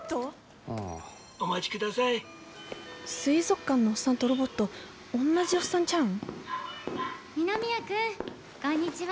水族館のおっさんとロボットおんなじおっさんちゃうん二宮君こんにちは。